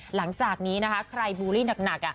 หลังจากนี้นะคะใครบูลลี่หนัก